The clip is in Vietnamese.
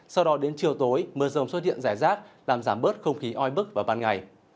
sau đó đến chiều tối mưa rồng xuất hiện rải rác làm giảm bớt không khí oi bức vào ban ngày